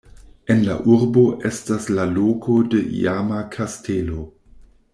En la urbo estas la loko de iama kastelo.